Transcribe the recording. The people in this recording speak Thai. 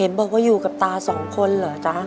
บอกว่าอยู่กับตาสองคนเหรอจ๊ะ